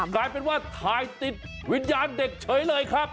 กลายเป็นว่าถ่ายติดวิญญาณเด็กเฉยเลยครับ